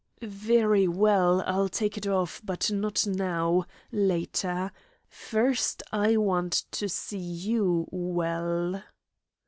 "Very well, I'll take it off, but not now later. First I want to see you well."